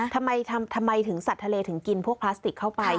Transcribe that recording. ทำไมถึงสัตว์ทะเลถึงกินพวกพลาสติกเข้าไป